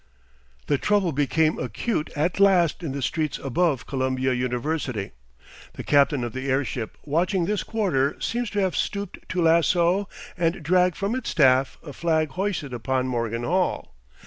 The trouble became acute at last in the streets above Columbia University. The captain of the airship watching this quarter seems to have stooped to lasso and drag from its staff a flag hoisted upon Morgan Hall.